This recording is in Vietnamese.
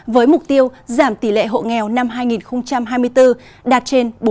với mục tiêu giảm tỷ lệ hộ nghèo năm hai nghìn hai mươi bốn đạt trên bốn